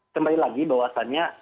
kembali lagi bahwasannya